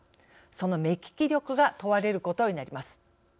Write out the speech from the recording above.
その目利き力が問われることになります。